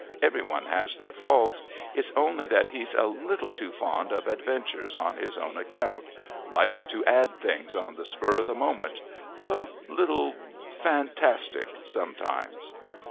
Every one has their faults. It's only that he's a little too fond of adventures on his own account, likes to add things on the spur of the moment...a little fantastic sometimes."